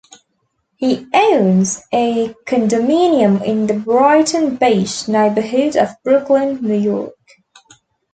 He owns a condominium in the Brighton Beach neighborhood of Brooklyn, New York.